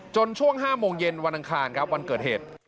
ช่วง๕โมงเย็นวันอังคารครับวันเกิดเหตุ